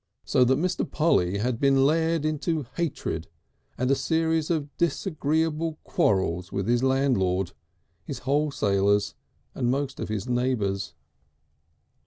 So that Mr. Polly had been led into hatred and a series of disagreeable quarrels with his landlord, his wholesalers, and most of his neighbours.